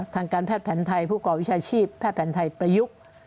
ทางการแพทย์แผ่นไทยผู้ประกอบวิชาชีพขวัญแผ่นไทยประยุกต์